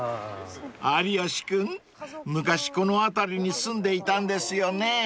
［有吉君昔この辺りに住んでいたんですよね］